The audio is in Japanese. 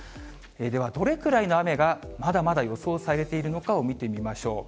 では、どれくらいの雨がまだまだ予想されているのかを見てみましょう。